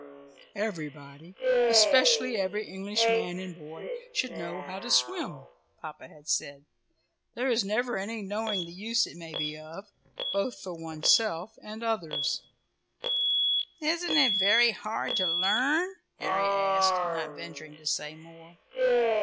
"Everybody, especially every English man and boy, should know how to swim," Papa had said. "There is never any knowing the use it may be of, both for one's self and others." "Isn't it very hard to learn?" Harry asked, not venturing to say more.